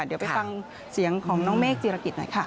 เดี๋ยวไปฟังเสียงของน้องเมฆจีรกิจหน่อยค่ะ